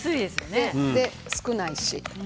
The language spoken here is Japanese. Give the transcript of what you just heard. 少ないし。